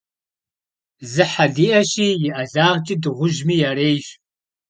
Зы хьэ диӀэщи, и ӀэлагъкӀэ дыгъужьми ярейщ.